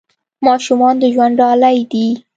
ماشومان د ژوند ډالۍ دي .